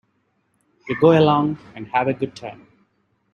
You go along and have a good time.